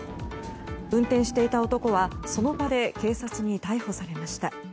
運転していた男は、その場で警察に逮捕されました。